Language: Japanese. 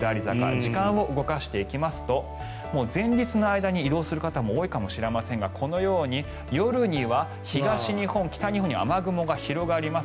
時間を動かしていきますともう前日の間に移動する方も多いかもしれませんがこのように夜には東日本、北日本に雨雲が広がります。